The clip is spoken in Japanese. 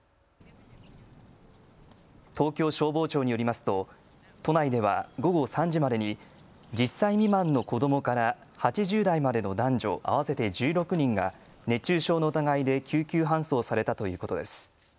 東京消防庁によりますと都内では午後３時までに１０歳未満の子どもから８０代までの男女合わせて１６人が熱中症の疑いで救急搬送されたということです。